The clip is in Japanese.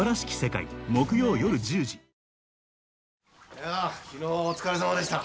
いやきのうはお疲れさまでした。